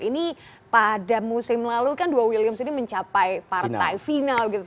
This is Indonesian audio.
ini pada musim lalu kan dua williams ini mencapai partai final gitu